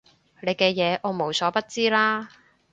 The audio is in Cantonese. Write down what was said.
你嘅嘢我無所不知啦